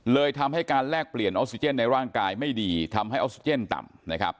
ทำให้การแลกเปลี่ยนออกซิเจนในร่างกายไม่ดีทำให้ออกซิเจนต่ำนะครับ